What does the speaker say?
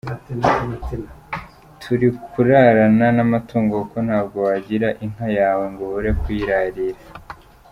Turi kurarana n’amatungo kuko ntabwo wagira inka yawe ngo ubure kuyirarira.